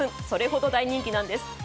それほど大人気なんです。